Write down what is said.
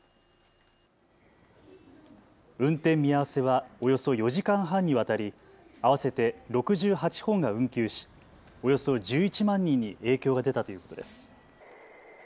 運転見合わせはおよそ４時間半にわたり、合わせて６８本が運休しおよそ１１万人に影響が出たということです。